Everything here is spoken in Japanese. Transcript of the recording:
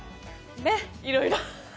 ね、いろいろ。